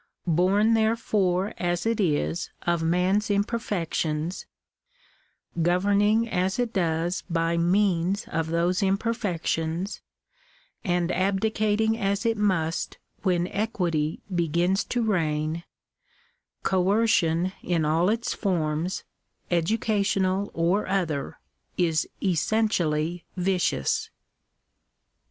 Born therefore as it is of man's im perfections—governing as it does by means of those imper fections — and abdicating as it must when Equity begins to reign, Coercion in all its forms — educational or other — is essen tially vicious.